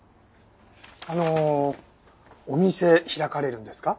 あのお店開かれるんですか？